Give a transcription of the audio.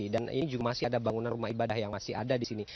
dan ini juga masih ada bangunan rumah ibadah yang masih ada di sini